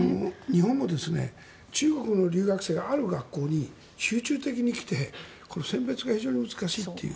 日本も中国の留学生がある学校に集中的に来て選別が非常に難しいという。